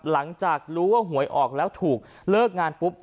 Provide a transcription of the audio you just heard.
หลังจากรู้ว่าหวยออกแล้วถูกเลิกงานปุ๊บ